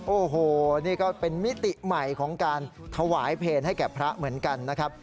โอ้โหนี่ก็เป็นมิติใหม่ของการถวายเพลงให้แก่พระเหมือนกันนะครับ